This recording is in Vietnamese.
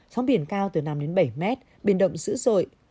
sóng biển cao từ năm đến bảy mét biển động dữ dội